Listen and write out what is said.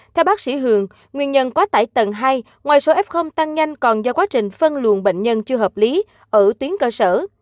theo bác sĩ hường nguyên nhân quá tải tầng hai ngoài số f tăng nhanh còn do quá trình phân luồng bệnh nhân chưa hợp lý ở tuyến cơ sở